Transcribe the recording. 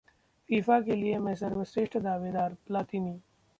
FIFA के लिए मैं सर्वश्रेष्ठ दावेदार: प्लातिनी